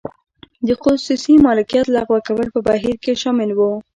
د خصوصي مالکیت لغوه کول په بهیر کې شامل و.